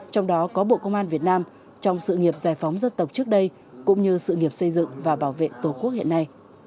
trong đó có bộ công an việt nam trong sự nghiệp giải phóng dân tộc trước đây cũng như sự nghiệp xây dựng và bảo vệ tổ quốc hiện nay